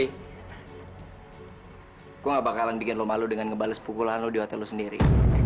aku nggak bakalan bikin kamu malu dengan ngebales pukulan kamu di hotel kamu sendiri